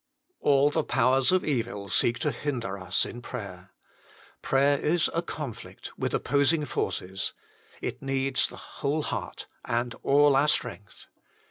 All the powers of evil seek to hinder us in prayer. Prayer is a conflict with opposing forces. It needs the whole heart and all our strength.